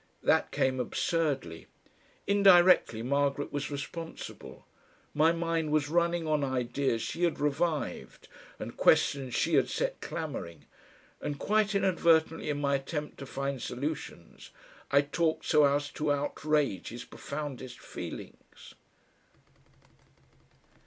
That came absurdly. Indirectly Margaret was responsible. My mind was running on ideas she had revived and questions she had set clamouring, and quite inadvertently in my attempt to find solutions I talked so as to outrage his profoundest feelings....